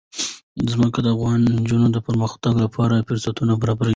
ځمکه د افغان نجونو د پرمختګ لپاره فرصتونه برابروي.